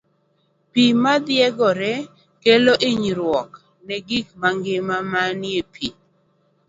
Pi modhing'ore kelo hinyruok ne gik mangima manie pi.